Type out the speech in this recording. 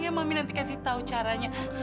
ya mami nanti kasih tahu caranya